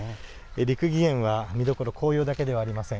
六義園は見どころ紅葉だけではありません。